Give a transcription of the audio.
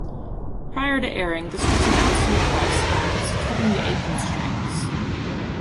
Prior to airing, this was announced in the press as "Cutting the Apron Strings".